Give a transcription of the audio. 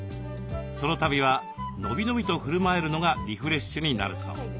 ソロ旅は伸び伸びとふるまえるのがリフレッシュになるそう。